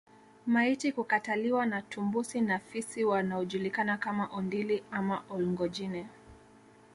Maiti kukataliwa na tumbusi na fisi wanaojulikana kama Ondili ama Olngojine